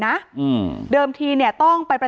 อ๋อเจ้าสีสุข่าวของสิ้นพอได้ด้วย